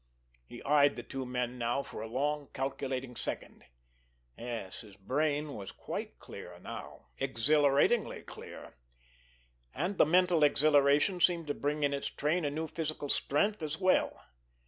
He eyed the two men now for a long calculating second. Yes, his brain was quite clear now—exhilaratingly clear. And the mental exhilaration seemed to bring in its train a new physical strength as well.